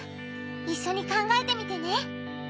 いっしょに考えてみてね！